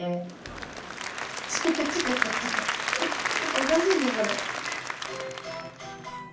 おかしいねこれ。